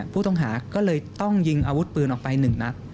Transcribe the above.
ผู้ต้องหาก็เลยต้องยิงอาวุธปืนออกไป๑นัด